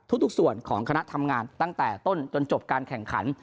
ทุกส่วนของคณะทำงานตั้งแต่ต้นจนจบการแข่งขัน